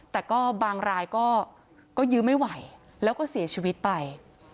แต่ก็บางรายก็ยื้อไม่ไหวแล้วก็เสียชีวิตไป